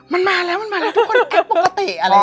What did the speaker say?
มันมาแล้วทุกคนแอบปกติ